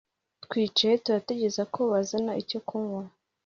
twicaye turategereza ko bazana icyo kunywa